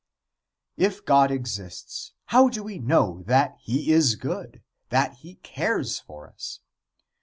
If God exists, how do we know that he is good, that he cares for us?